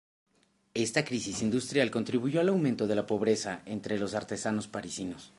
Esta crisis industrial contribuyó al aumento de la pobreza entre los artesanos parisinos.